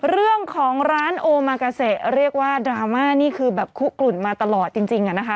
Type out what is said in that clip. เรื่องของร้านโอมากาเซเรียกว่าดราม่านี่คือแบบคุกกลุ่นมาตลอดจริงอะนะคะ